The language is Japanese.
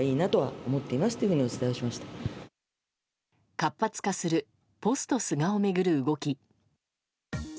活発化するポスト菅を巡る動き。